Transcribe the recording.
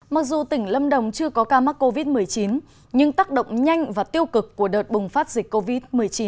mặc dù tỉnh lâm đồng chưa có ca mắc covid một mươi chín nhưng tác động nhanh và tiêu cực của đợt bùng phát dịch covid một mươi chín